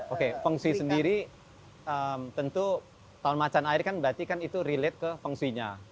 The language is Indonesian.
oke feng shui sendiri tentu tahun macan air kan berarti kan itu relate ke feng shuinya